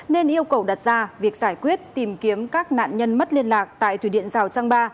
nên yêu cầu đặt ra việc giải quyết tìm kiếm các nạn nhân mất liên lạc tại thủy điện rào trăng ba